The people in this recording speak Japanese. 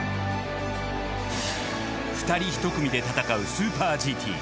２人１組で戦うスーパーＧＴ。